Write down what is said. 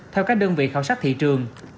theo các đơn vị khảo sát thị trường